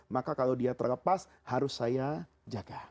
maka kalau dia terlepas harus saya jaga